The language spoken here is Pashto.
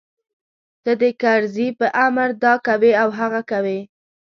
ته د کرزي په امر دا کوې او هغه کوې.